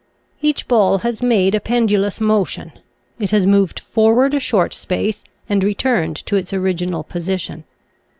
Each ball has made a pendulous mo tion; it has moved forward a short Bpace and returned to its original position.